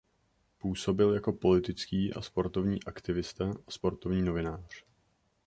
Působil jako politický a sportovní aktivista a sportovní novinář.